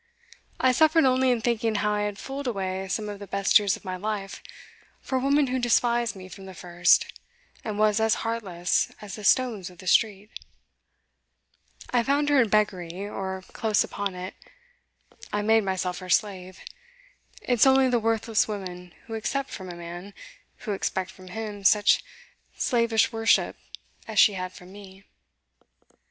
I suffered only in thinking how I had fooled away some of the best years of my life for a woman who despised me from the first, and was as heartless as the stones of the street. I found her in beggary, or close upon it. I made myself her slave it's only the worthless women who accept from a man, who expect from him, such slavish worship as she had from me.